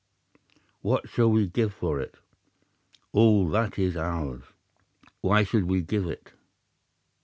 "'What shall we give for it?' "'All that is ours.' "'Why should we give it?